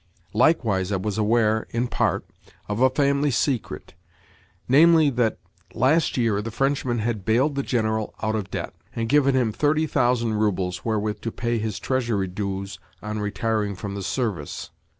Likewise I was aware, in part, of a family secret—namely, that, last year, the Frenchman had bailed the General out of debt, and given him 30,000 roubles wherewith to pay his Treasury dues on retiring from the service.